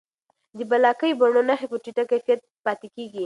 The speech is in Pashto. د بلاکي بڼو نښې په ټیټه کیفیت پاتې کېږي.